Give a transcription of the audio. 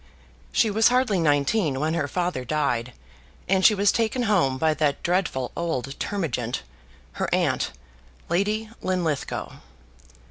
She was hardly nineteen when her father died and she was taken home by that dreadful old termagant, her aunt, Lady Linlithgow.